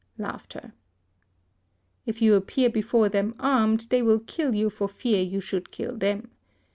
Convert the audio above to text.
If you appear before them armed, they will kill you for fear you should kill them.